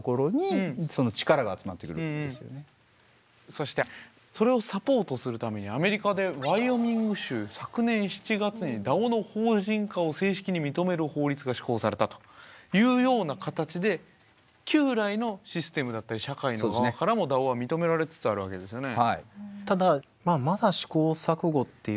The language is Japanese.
そしてそれをサポートするためにアメリカでワイオミング州で昨年７月にＤＡＯの法人化を正式に認める法律が施行されたというような形で旧来のシステムだったり社会の側からもＤＡＯは認められつつあるわけですよね。